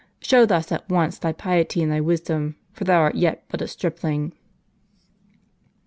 Show thus at once thy piety and thy wisdom, for thou art yet but a stripling."